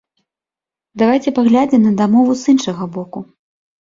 Давайце паглядзім на дамову з іншага боку.